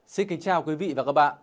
xin kính chào quý vị và các bạn